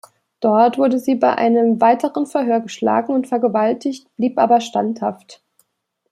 Dort wurde sie bei einem weiteren Verhör geschlagen und vergewaltigt, blieb aber standhaft.